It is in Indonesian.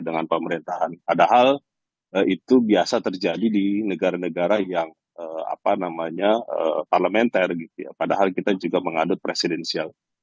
dengan pemerintahan padahal itu biasa terjadi di negara negara yang parlementer padahal kita juga mengadut presidensial